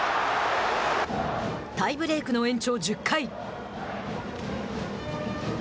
タイブレークの延長１０回。